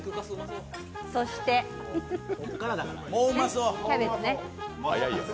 そして、キャベツね。